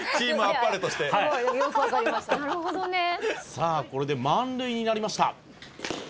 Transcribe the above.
「さあこれで満塁になりました」